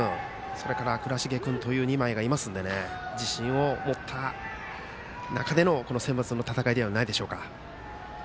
それから、倉重君という２枚がいるので自信を持った中でのセンバツの戦いではないでしょうか。